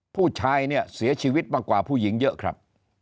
ผู้ชายเนี่ยเสียชีวิตมากกว่าผู้หญิงเยอะครับ